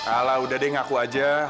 ala udah deh ngaku aja